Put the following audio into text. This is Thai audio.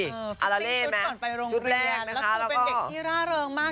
เล่นชุดก่อนไปโรงเรียนแล้วคือเป็นเด็กที่ร่าเริงมาก